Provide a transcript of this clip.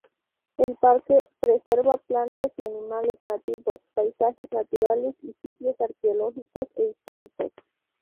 El parque preserva plantas y animales nativos, paisajes naturales y sitios arqueológicos e históricos.